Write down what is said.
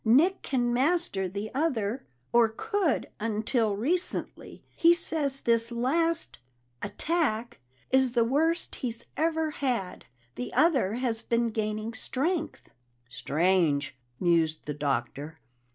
Nick can master the other, or could until recently. He says this last attack is the worst he's ever had; the other has been gaining strength." "Strange!" mused the Doctor.